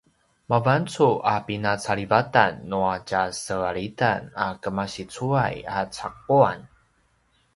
mavancu a pinacalivatan nua tjasevalitan a kemasicuay a caquan